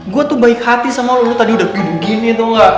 gue tuh baik hati sama lo lo tadi udah gedung gini tau gak